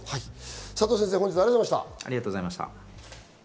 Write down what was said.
佐藤先生、本日はありがとうございました。